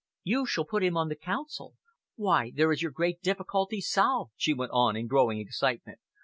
You shall put him on the Council. Why, there is your great difficulty solved," she went on, in growing excitement.